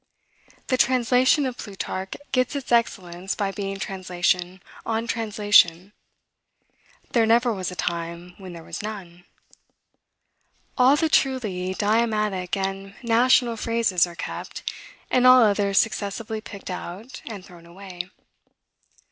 The translation of Plutarch gets its excellence by being translation on translation. There never was a time when there was none. All the truly diomatic and national phrases are kept, and all others successively picked out and thrown away.